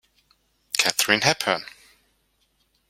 Katherine Hepburn